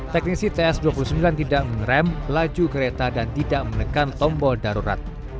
teknisi ts dua puluh sembilan tidak mengerem laju kereta dan tidak menekan tombol darurat